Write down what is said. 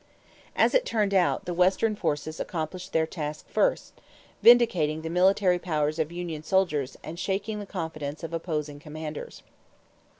As it turned out, the Western forces accomplished their task first, vindicating the military powers of union soldiers and shaking the confidence of opposing commanders.